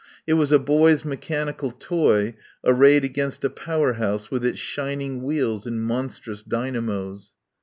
It was a boy's mechanical toy arrayed against a Power House with its shin ing wheels and monstrous dynamos.